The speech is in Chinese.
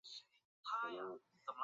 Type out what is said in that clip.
松木宗显。